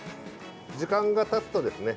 時間がたつとですね